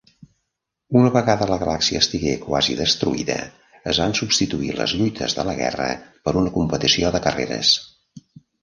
Una vegada la galàxia estigué quasi destruïda, es van substituir les lluites de la guerra per una competició de carreres.